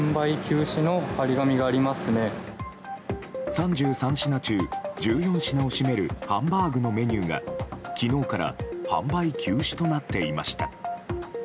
３３品中１４品を占めるハンバーグのメニューが昨日から販売休止となっていました。